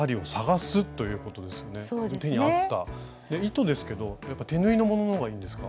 糸ですけどやっぱ手縫いのものの方がいいんですか？